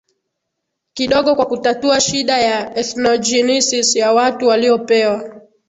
kidogo kwa kutatua shida ya ethnogenesis ya watu waliopewa